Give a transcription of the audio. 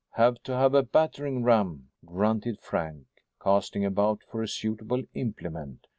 "Have to have a battering ram," grunted Frank, casting about for a suitable implement.